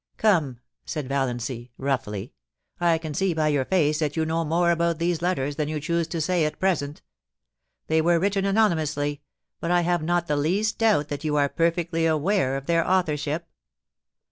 * Come,' said Valiancy, roughly, * I can see by your face that you know more about these letters than you choose to say at present. They were \^Titten anonymously, but I have not the least doubt that you are perfectly aware of their authorship.